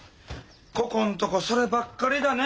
ここんとこそればっかりだね。